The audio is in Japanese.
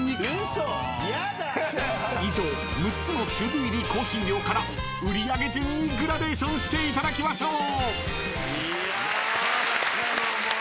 ［以上６つのチューブ入り香辛料から売上順にグラデーションしていただきましょう］